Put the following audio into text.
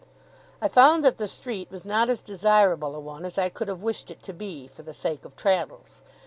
I found that the street was not as desirable a one as I could have wished it to be, for the sake of Traddles.